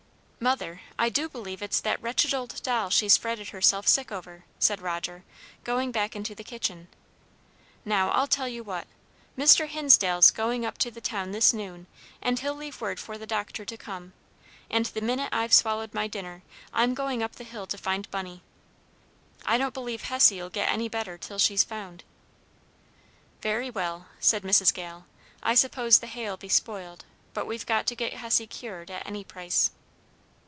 "Mother, I do believe it's that wretched old doll she's fretted herself sick over," said Roger, going back into the kitchen. "Now, I'll tell you what! Mr. Hinsdale's going up to the town this noon, and he'll leave word for the doctor to come; and the minute I've swallowed my dinner, I'm going up to the hill to find Bunny. I don't believe Hessie'll get any better till she's found." "Very well," said Mrs. Gale. "I suppose the hay'll be spoiled, but we've got to get Hessie cured at any price."